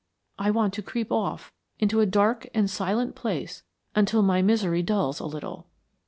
I want to creep off into a dark and silent place until my misery dulls a little."